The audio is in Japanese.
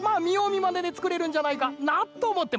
まねでつくれるんじゃないかなとおもってます。